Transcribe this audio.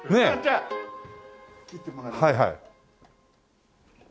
はいはい。